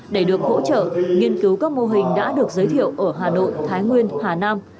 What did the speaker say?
để được hỗ trợ nghiên cứu các mô hình đã được giới thiệu ở hà nội thái nguyên hà nam